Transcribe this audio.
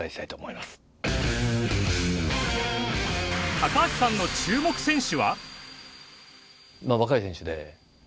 高橋さんの注目選手は？